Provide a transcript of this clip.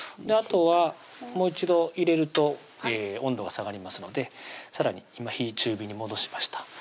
あとはもう一度入れると温度が下がりますのでさらに今火中火に戻しました